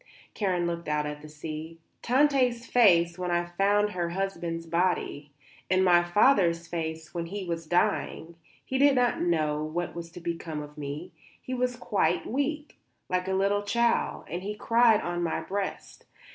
Karen looked out at the sea. "Tante's face when I found her husband's body. And my father's face when he was dying; he did not know what was to become of me; he was quite weak, like a little child, and he cried on my breast.